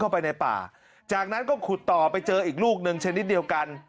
ไปในป่าจากนั้นก็ขุดต่อไปเจออีกลูกหนึ่งชนิดเดียวกัน